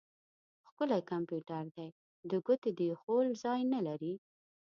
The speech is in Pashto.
ښکلی کمپيوټر دی؛ د ګوتې د اېښول ځای نه لري.